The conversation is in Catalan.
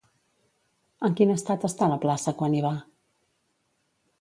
En quin estat està la plaça quan hi va?